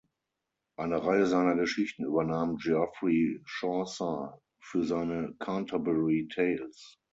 Eine Reihe seiner Geschichten übernahm Geoffrey Chaucer für seine "Canterbury Tales".